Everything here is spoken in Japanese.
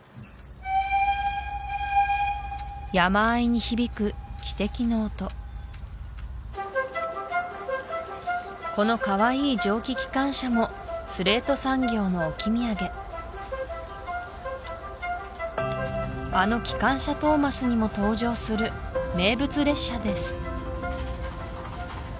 山あいに響く汽笛の音このかわいい蒸気機関車もスレート産業の置き土産あの「機関車トーマス」にも登場する名物列車です